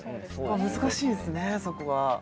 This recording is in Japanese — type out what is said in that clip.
難しいんですねそこは。